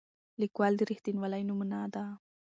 لیکوال د رښتینولۍ نمونه ده.